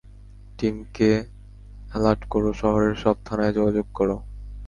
Team কে, এলাড করো, শহরের সব থানায় যোগাযোগ কর।